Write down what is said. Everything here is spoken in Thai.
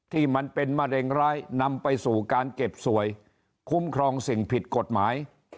ที่มันเป็นมะเร็งร้ายนำไปสู่การเก็บสวยคุ้มครองสิ่งผิดกฎหมาย